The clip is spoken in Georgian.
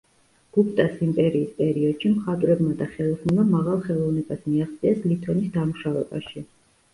გუპტას იმპერიის პერიოდში მხატვრებმა და ხელოსნებმა მაღალ ხელოვნებას მიაღწიეს ლითონის დამუშავებაში.